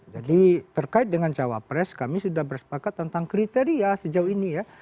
jadi terkait dengan cawapres kami sudah bersepakat tentang kriteria sejauh ini ya